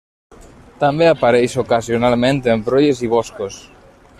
També apareix ocasionalment en brolles i boscos.